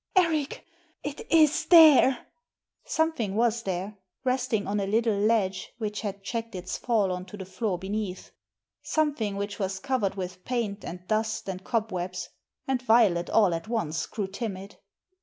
« Eric, it is there !" Something was there, resting on a little ledge which had checked its fall on to the floor beneath — something which was covered with paint, and dust, and cobwebs, and Violet all at once g^ew timid.